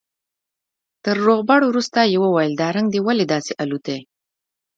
تر روغبړ وروسته يې وويل دا رنگ دې ولې داسې الوتى.